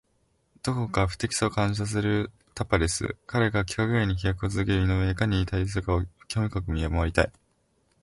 どこか不敵さを感じさせるタパレス。彼が規格外に飛躍を続ける井上といかに対峙するかを興味深く見守りたい。